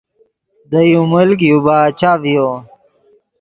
دے یو ملک یو باچہ ڤیو